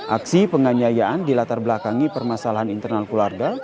aksi penganiayaan dilatar belakangi permasalahan internal keluarga